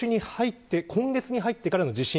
今月に入ってからの地震。